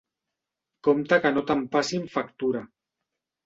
Compte que no te'n passin factura.